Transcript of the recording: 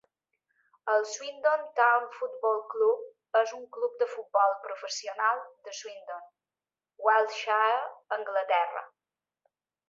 El Swindon Town Football Club és un club de futbol professional de Swindon, Wiltshire, Anglaterra.